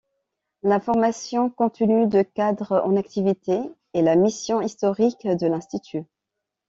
La formation continue de cadres en activité est la mission historique de l'institut.